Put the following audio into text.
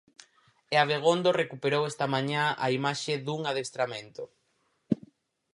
E Abegondo recuperou esta mañá a imaxe dun adestramento.